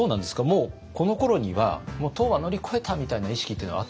もうこのころにはもう唐は乗り越えたみたいな意識っていうのはあったんですか？